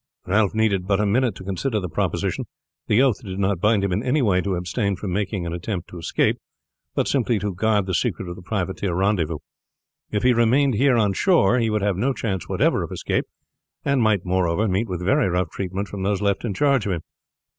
Ralph needed but a minute to consider the proposal. The oath did not bind him in any way to abstain from making an attempt to escape, but simply to guard the secret of the privateer rendezvous. If he remained here on shore he would have no chance whatever of escape, and might moreover meet with very rough treatment from those left in charge of him.